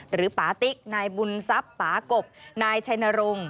หรือป๋าติ๊กนายบุญซับป๋ากบนายชายนรง